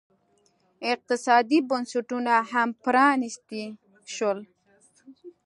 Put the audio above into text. اقتصادي بنسټونه هم پرانیستي شول.